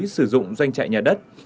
sử dụng doanh trại nhà đất